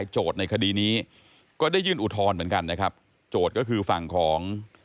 โจทธก็คือ่ามจำฝั่งของ